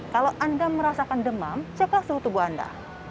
kalau anda merasakan demam ceklah suhu tubuh anda